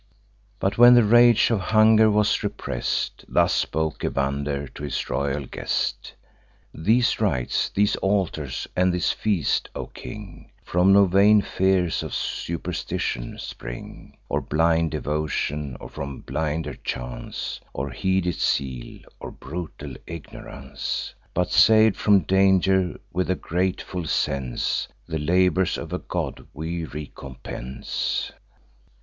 But when the rage of hunger was repress'd, Thus spoke Evander to his royal guest: "These rites, these altars, and this feast, O king, From no vain fears or superstition spring, Or blind devotion, or from blinder chance, Or heady zeal, or brutal ignorance; But, sav'd from danger, with a grateful sense, The labours of a god we recompense.